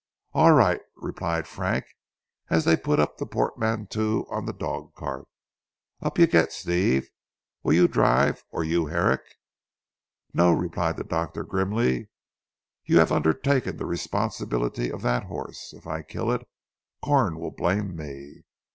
"All right," replied Frank as they put up the portmanteaux on the dog cart. "Up you get Steve. Will you drive, or you Herrick?" "No!" replied the doctor grimly, "you have undertaken the responsibility of that horse. If I kill it, Corn will blame me.